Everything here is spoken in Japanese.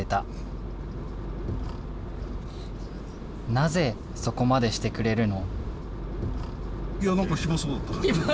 なぜそこまでしてくれるの？